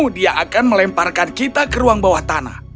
dia akan melemparkan kita ke ruang bawah tanah